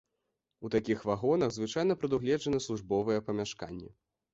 У такіх вагонах звычайна прадугледжаны службовыя памяшканні.